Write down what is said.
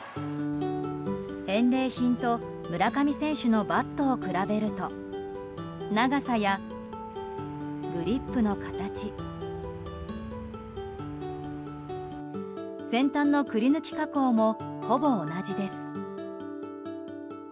返礼品と村上選手のバットを比べると長さやグリップの形先端のくり抜き加工もほぼ同じです。